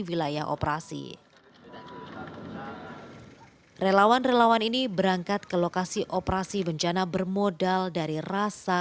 wilayah operasi relawan relawan ini berangkat ke lokasi operasi bencana bermodal dari rasa